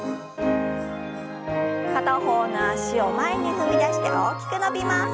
片方の脚を前に踏み出して大きく伸びます。